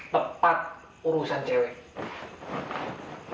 tepat urusan cewek